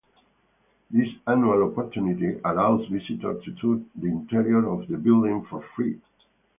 This annual opportunity allows visitors to tour the interior of the building for free.